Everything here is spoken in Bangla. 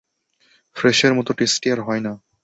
ফ্রেশের মতো টেস্টি আর হয় না।